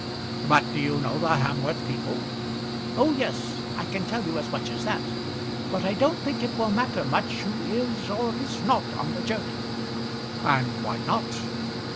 "But do you know the Hamworth people?" "Oh, yes; I can tell you as much as that. But I don't think it will matter much who is or is not on the jury." "And why not?"